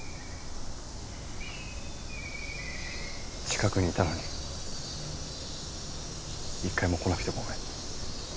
近くにいたのに一回も来なくてごめん。